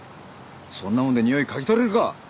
そんなもんでにおい嗅ぎ取れるか！